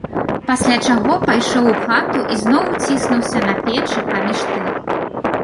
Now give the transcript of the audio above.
Пасля чаго пайшоў у хату і зноў уціснуўся на печы паміж тых.